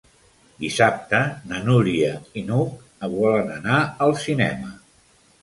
Dissabte na Núria i n'Hug volen anar al cinema.